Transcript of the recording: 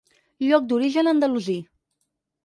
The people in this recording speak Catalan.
Lloc d'origen andalusí.